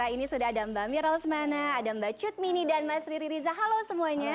ini sudah ada mbak mira lesmana ada mbak cutmini dan mas riri riza halo semuanya